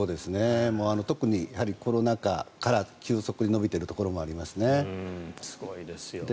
特にコロナ禍から急速に伸びているところもありますね。